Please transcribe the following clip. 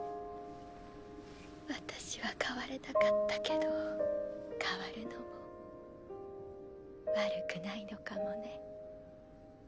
私は変われなかったけど変わるのも悪くないのかもね。